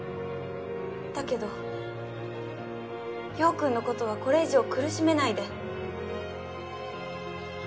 だけど陽君のことはこれ以上苦しめないで。